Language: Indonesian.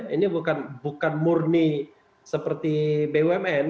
ini bukan murni seperti bumn